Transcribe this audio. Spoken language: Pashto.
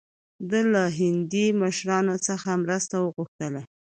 ده له هندي مشرانو څخه مرسته وغوښته.